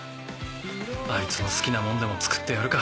あいつの好きなもんでも作ってやるか。